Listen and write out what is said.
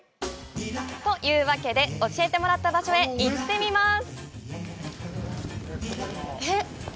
というわけで、教えてもらった場所へ行ってみます。